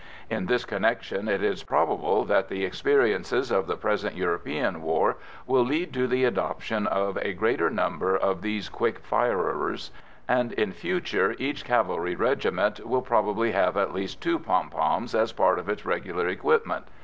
In this connection it is probable that the experiences of the present European war will lead to the adoption of a greater number of these quick firers, and in future each cavalry regiment will probably have at least two "pom poms" as part of its regular equipment.